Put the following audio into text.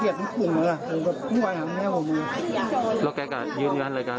เอาไว้ห้ังแม่ผมเลยแกก่ยืนยันเลยนะคะ